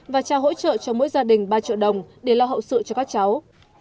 và trao hỗ trợ cho mỗi gia đình ba triệu đồng để lo hậu sự cho các cháu